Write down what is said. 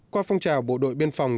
qua phong trào bộ đội biên phòng